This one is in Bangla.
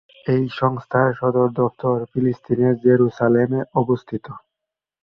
এই সংস্থার সদর দপ্তর ফিলিস্তিনের জেরুসালেমে অবস্থিত।